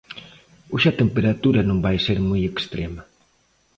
Hoxe a temperatura non vai ser moi extrema.